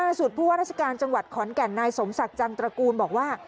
ผู้ว่าราชการจังหวัดขอนแก่นนายสมศักดิ์จันตระกูลบอกว่า